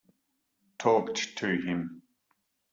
Talked to him.